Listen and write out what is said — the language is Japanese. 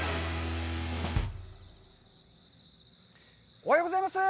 おはようございます。